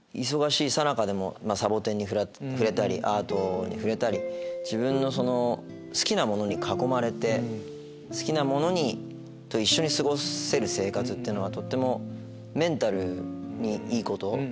忙しいさなかでもサボテンに触れたりアートに触れたり自分の好きなものに囲まれて好きなものと一緒に過ごせる生活っていうのはとってもメンタルにいいこと。